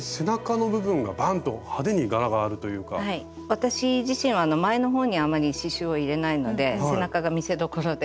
私自身前の方にあまり刺しゅうを入れないので背中が見せどころで。